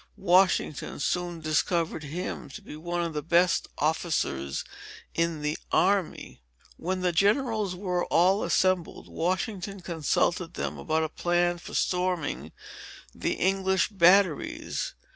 Washington soon discovered him to be one of the best officers in the army." When the Generals were all assembled, Washington consulted them about a plan for storming the English batteries.